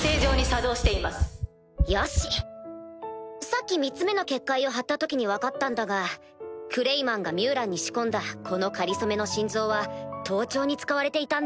さっき３つ目の結界を張った時に分かったんだがクレイマンがミュウランに仕込んだこのかりそめの心臓は盗聴に使われていたんだ。